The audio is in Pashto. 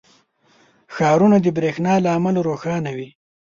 • ښارونه د برېښنا له امله روښانه وي.